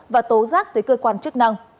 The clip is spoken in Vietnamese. và tố rác tới cơ quan chức năng